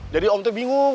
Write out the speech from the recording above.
jadi om neng bingung